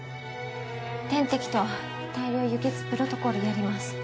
点滴と大量輸血プロトコルやります